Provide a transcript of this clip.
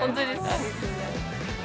ありがとうございます。